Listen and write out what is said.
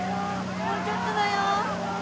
もうちょっとだよ！